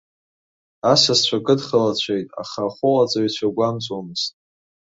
Асасцәа кыдхалацәеит, аха ахәыҟаҵаҩцәа гәамҵуамызт.